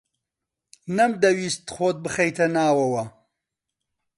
نەمدەویست خۆت بخەیتە ناوەوە.